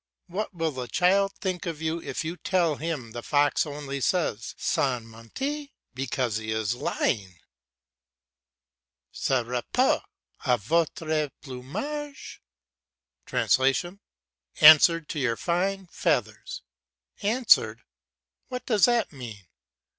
What will the child think of you if you tell him the fox only says "Sans mentir" because he is lying? "Se rapporte a votre plumage" ("Answered to your fine feathers"). "Answered!" What does that mean?